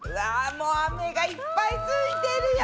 もうアメがいっぱいついてるよ！